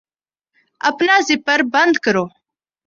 اپنا زپر بند کرو